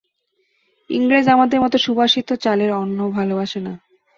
ইংরেজ আমাদের মত সুবাসিত চাউলের অন্ন ভালবাসে না।